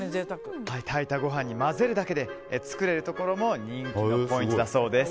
炊いたご飯に混ぜるだけで作れるところも人気のポイントだそうです。